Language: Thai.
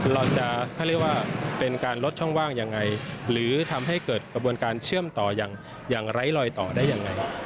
เราจะเขาเรียกว่าเป็นการลดช่องว่างยังไงหรือทำให้เกิดกระบวนการเชื่อมต่ออย่างไร้ลอยต่อได้ยังไง